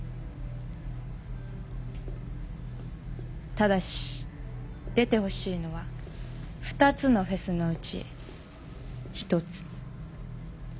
ただし出てほしいのは２つのフェスのうち１つ。